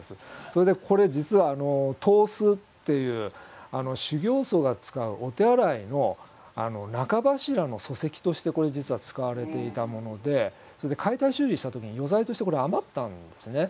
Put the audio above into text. それでこれ実は東司っていう修行僧が使うお手洗いの中柱の礎石としてこれ実は使われていたもので解体修理した時に余材としてこれ余ったんですね。